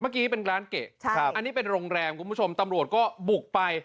เมื่อกี้เป็นร้านเกะอันนี้เป็นโรงแรมคุณผู้ชมตำรวจก็บุกไป